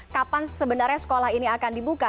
kapan sebenarnya sekolah ini akan dibuka